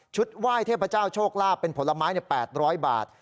ไหว้เทพเจ้าโชคลาภเป็นผลไม้๘๐๐บาท